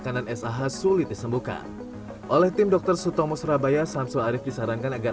kanan sah sulit disembuhkan oleh tim dokter sutomo surabaya samsul arief disarankan agar